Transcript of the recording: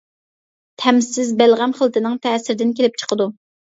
تەمسىز بەلغەم خىلىتىنىڭ تەسىرىدىن كېلىپ چىقىدۇ.